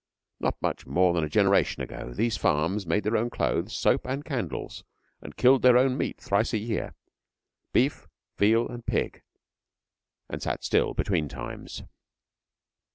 Not much more than a generation ago these farms made their own clothes, soap, and candles, and killed their own meat thrice a year, beef, veal, and pig, and sat still between times.